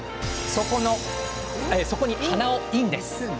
そこに鼻をイン。